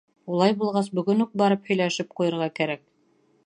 Улай булғас, бөгөн үк барып һөйләшеп ҡуйырға кәрәк.